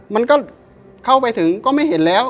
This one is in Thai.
มันก็เข้าไปถึงก็ไม่เห็นแล้ว